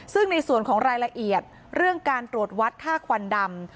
ซึ่งในส่วนของรายละเอียดเรื่องการตรวจวัดค่าควันดำ